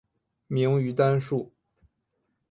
明于丹术。